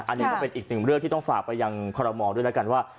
อันนี้ก็เป็นอีกหนึ่งเรื่องที่ต้องฝากไปยังคอรมอลด้วยแล้วกันว่า